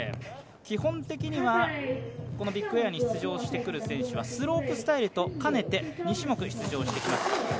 基本的にはビッグエアに出場してくる選手はスロープスタイルと兼ねて２種目出場してきます。